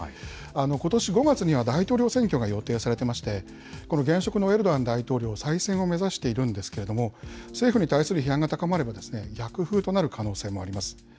ことし５月には大統領選挙が予定されてまして、この現職のエルドアン大統領、再選を目指しているんですけれども、政府に対する批判が高まれば、逆風となる可能性もあります。